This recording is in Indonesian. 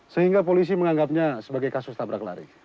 sehingga polisi menganggapnya sebagai kasus tabrak lari